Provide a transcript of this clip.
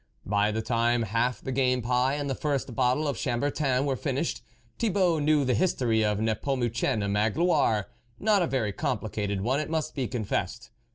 By the time half the game pie, and the first bottle of Chambertin were finished, Thibault knew the history of Nepomucene Magloire ; not a very com plicated one, it must be confessed.